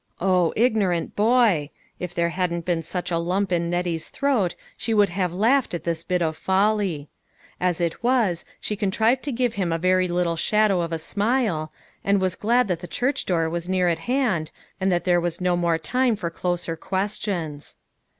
O, ignorant boy! If there hadn't been such a lump in Nettie's throat, she would have laughed at this bit of folly. As it was, she contrived to give him a very little shadow of a smile, and was 158 LITTLE FISHERS : AND THEIE NETS. glad that the church door was near at hand, and that there was no more time for closer questions.